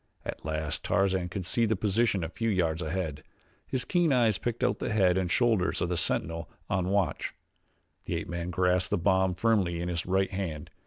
At last Tarzan could see the position a few yards ahead. His keen eyes picked out the head and shoulders of the sentinel on watch. The ape man grasped the bomb firmly in his right hand.